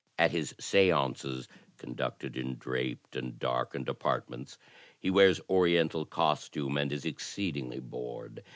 At his seances, conducted in draped and darkened apartments, he wears Oriental costume and is exceedingly bored.